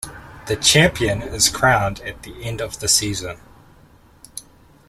The champion is crowned at the end of the season.